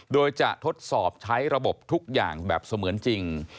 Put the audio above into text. โดยจะทดสอบใช้ระบบทุกอย่างแบบเสมือนจริง